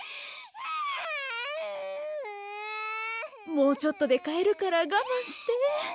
もうちょっとでかえるからがまんして。